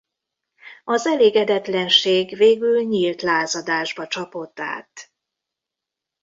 Az elégedetlenség végül nyílt lázadásba csapott át.